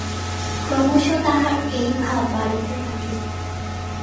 ক্রমশ তাঁহার এই ভাব বাড়িতে লাগিল।